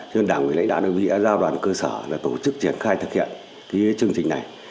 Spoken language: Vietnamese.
thế nên đảng quỹ lãnh đạo đồng ý đã giao đoàn cơ sở và tổ chức triển khai thực hiện chương trình này